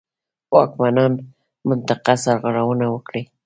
واکمنان منطقه سرغړونه وکړي.